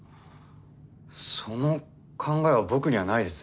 その考えは僕にはないです。